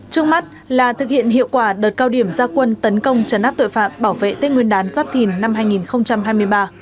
trước mắt là thực hiện hiệu quả đợt cao điểm gia quân tấn công trấn áp tội phạm bảo vệ tên nguyên đán giáp thìn năm hai nghìn hai mươi ba